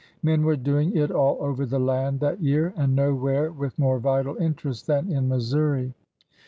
Men were doing it all over the land that year, and nowhere with more vital interest than in Missouri.